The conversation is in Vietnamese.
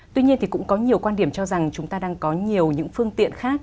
tuy nhiên thì cũng có nhiều quan điểm cho rằng chúng ta đang có nhiều những phương tiện khác